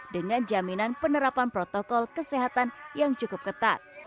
dengan jaminan penerapan protokol kesehatan yang cukup ketat